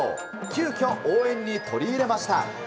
急きょ、応援に取り入れました。